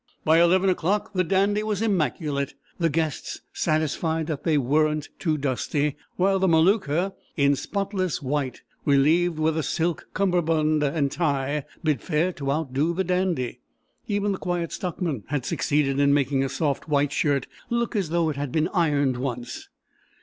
By eleven o'clock the Dandy was immaculate, the guests satisfied that they "weren't too dusty," while the Maluka, in spotless white relieved with a silk cummerbund and tie, bid fair to outdo the Dandy. Even the Quiet Stockman had succeeded in making a soft white shirt "look as though it had been ironed once."